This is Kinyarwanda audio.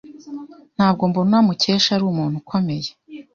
Ntabwo mbona Mukesha ari umuntu ukomeye.